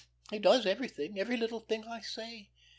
He does everything, every little thing I say.